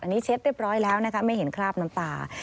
อันนี้เช็ดเรียบร้อยแล้วนะคะไม่เห็นคราบน้ำตา